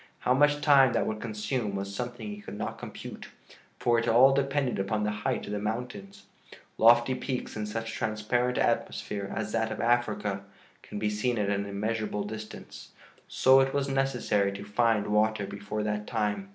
How much time that would consume was something he could not compute for it all depended upon the height of the mountains. Lofty peaks in such transparent atmosphere as that of Africa can be seen at an immeasurable distance; so it was necessary to find water before that time.